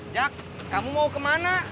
jak kamu mau kemana